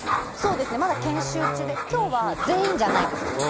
まだ研修中で今日は全員じゃないです。